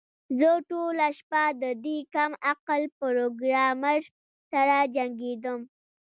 زه ټوله شپه د دې کم عقل پروګرامر سره جنګیدم